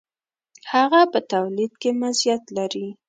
هغه په تولید کې مزیت لري.